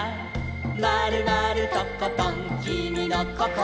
「まるまるとことんきみのこころは」